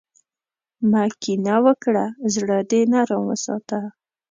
مه کینه وکړه، زړۀ دې نرم وساته.